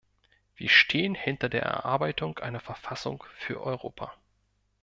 Wir stehen hinter der Erarbeitung einer Verfassung für Europa.